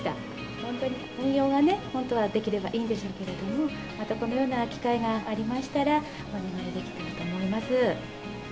本当に、本業がね、本当にできればいいんでしょうけれども、またこのような機会がありましたら、お願いできたらと思います。